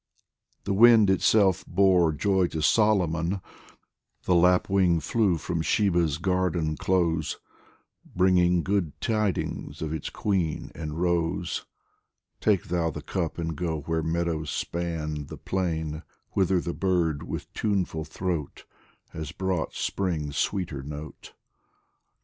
The wind itself bore joy to Solomon ; The Lapwing flew from Sheba's garden close, Bringing good tidings of its queen and rose. Take thou the cup and go where meadows span The plain, whither the bird with tuneful throat Has brought Spring's sweeter note.